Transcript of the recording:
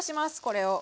これを。